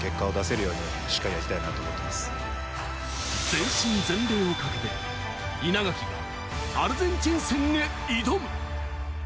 全身全霊をかけて稲垣がアルゼンチン戦へ挑む。